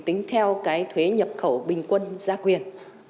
và tính theo thuế nhập khẩu bình quân gia quyền